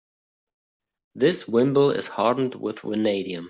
This wimble is hardened with vanadium.